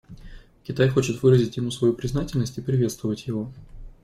Китай хочет выразить ему свою признательность и приветствовать его.